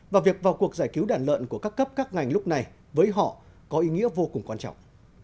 và việc vào cuộc giải cứu đàn lợn của các cấp các ngành lúc này với họ có ý nghĩa vô cùng quan trọng